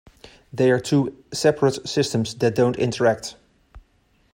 They are two separate systems that don't interact.